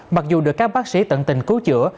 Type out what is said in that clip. mặc dù được các bác sĩ tận tình cứu chữa